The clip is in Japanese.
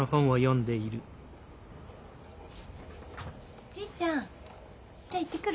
おじいちゃんじゃあ行ってくる。